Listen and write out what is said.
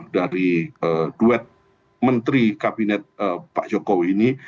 dari duet menteri kabinet pak jokowi ini